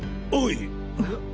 おい！